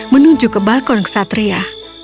menuju ke balkon kesatria